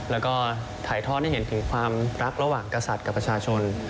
แล้วก็ถ่ายทอดให้เห็นถึงความรักระหว่างกษัตริย์กับประชาชน